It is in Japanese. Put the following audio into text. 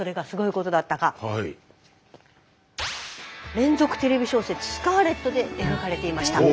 連続テレビ小説「スカーレット」で描かれていました。